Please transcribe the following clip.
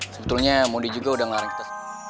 sebetulnya modi juga udah ngelarang kita